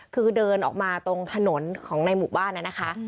คือเดินออกมาตรงถนนของในหมู่บ้านน่ะนะคะ